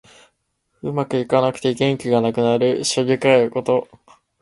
うまくいかなくて元気がなくなる。しょげかえること。